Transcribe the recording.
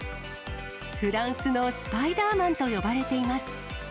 フランスのスパイダーマンと呼ばれています。